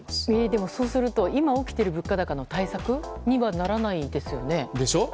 でも、そうすると今起きている物価高の対策にはならないですよね。でしょう？